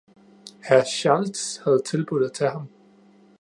Herr Schaltz havde tilbudt at tage ham.